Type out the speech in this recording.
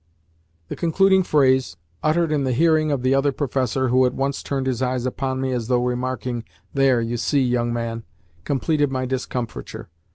The concluding phrase, uttered in the hearing of the other professor (who at once turned his eyes upon me, as though remarking, "There! You see, young man!") completed my discomfiture.